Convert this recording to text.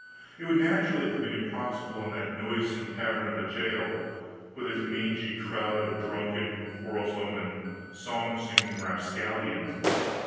It would naturally have been impossible in that noisome cavern of a jail, with its mangy crowd of drunken, quarrelsome, and song singing rapscallions.